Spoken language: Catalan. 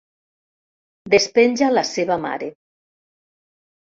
Despenja la seva mare.